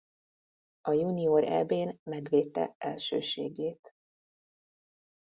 A junior Eb-n megvédte elsőségét.